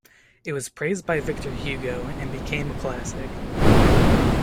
It was praised by Victor Hugo and became a classic.